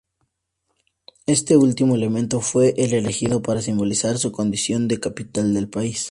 Este último elemento fue el elegido para simbolizar su condición de capital del país.